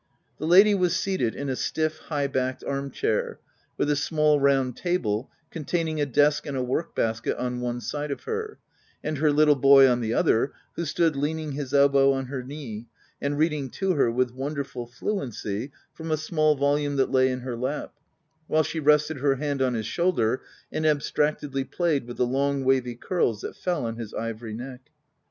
The lady was seated in a stiff, high backed arm chair, with a small, round table, contain ing a desk and a work basket, on one side of her, and her little boy on the other, who stood leaning his elbow on her knee, and reading to her, with wonderful fluency, from a small volume that lay in her lap; while she rested her hand on his shoulder, and abstractedly played with the long, wavy curls that fell on his ivory neck.